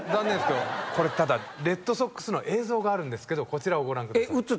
ただレッドソックスの映像があるんですけどこちらをご覧ください。